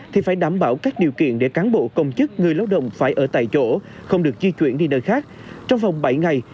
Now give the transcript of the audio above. thì phải đảm bảo các điều kiện để cán bộ công chức người lao động phải ở tại chỗ không được di chuyển đi nơi khác trong vòng bảy ngày